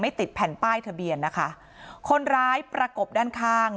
ติดแผ่นป้ายทะเบียนนะคะคนร้ายประกบด้านข้าง